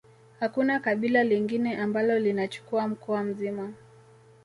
Hakuna kabila lingine ambalo linachukua mkoa mzima